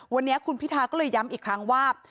วันนี้คุณพิทาก็เลยย้ำอีกครั้งว่า